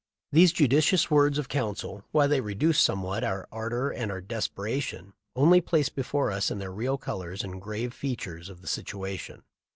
These judicious words of counsel, while they reduced somewhat our ardor and our desperation, only placed before us in their real colors the grave features of the situation.